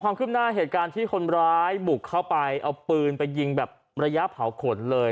ขึ้นหน้าเหตุการณ์ที่คนร้ายบุกเข้าไปเอาปืนไปยิงแบบระยะเผาขนเลย